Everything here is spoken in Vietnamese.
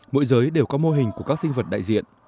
mỗi giới đều có mô hình của các sinh vật đại diện